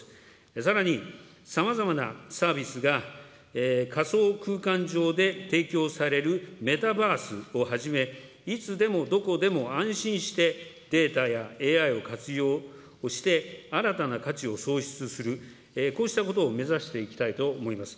さらにさまざまなサービスが仮想空間上で提供されるメタバースをはじめ、いつでもどこでも安心して、データやＡＩを活用して、新たな価値を創出する、こうしたことを目指していきたいと思います。